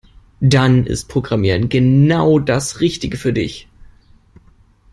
Dann ist Programmieren genau das Richtige für dich.